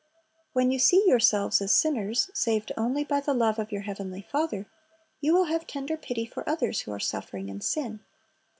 When you see yourselves as sinners saved only by the love of your Heavenly Father, you will have tender pity for others who are suffering in sin.